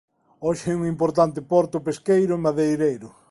Hoxe é un importante porto pesqueiro e madeireiro.